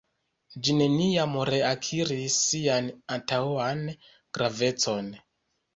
Ĝi neniam reakiris sian antaŭan gravecon.